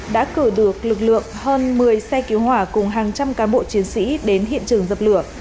đã cử được lực lượng hơn một mươi xe cứu hỏa cùng hàng trăm cán bộ chiến sĩ đến hiện trường dập lửa